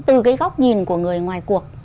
từ góc nhìn của người ngoài cuộc